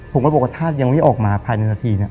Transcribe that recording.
ผมก็บอกว่าถ้ายังไม่ออกมาภายในนาทีเนี่ย